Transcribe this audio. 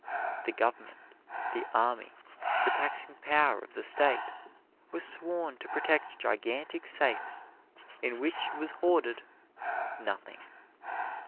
The government, the army, the taxing power of the State, were sworn to protect gigantic safes in which was hoarded nothing.